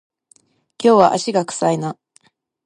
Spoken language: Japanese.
今日は足が臭いな